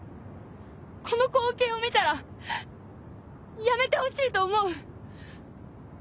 この光景を見たらやめてほしいと思う。